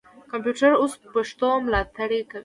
کمپیوټر اوس پښتو ملاتړ کوي.